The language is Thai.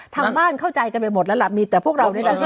ทางบ้านเข้าใจกันไปหมดแล้วล่ะมีแต่พวกเรานี่แหละ